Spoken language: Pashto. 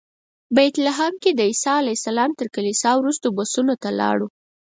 بیت لحم کې د عیسی علیه السلام تر کلیسا وروسته بسونو ته لاړو.